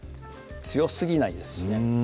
強すぎないですしね